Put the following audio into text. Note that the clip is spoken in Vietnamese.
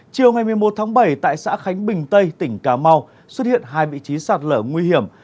chiều ngày một mươi một tháng bảy tại xã khánh bình tây tỉnh cà mau xuất hiện hai vị trí sạt lở nguy hiểm